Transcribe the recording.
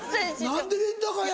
何でレンタカー屋？